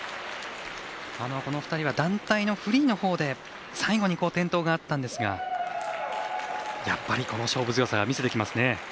この２人は団体のフリーのほうで最後に転倒があったんですがやっぱり、この勝負強さ見せてきますね。